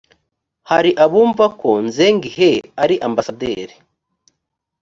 hari abumva ko zheng he ari ambasaderi